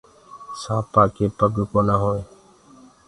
سآنپآ ڪي پگ ڪونآ۔